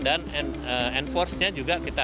dan enforce nya juga kita